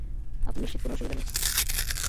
আপনি নিশ্চিত কোন অসুবিধা নেই?